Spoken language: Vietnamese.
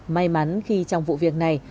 may mắn khi trong vụ việc này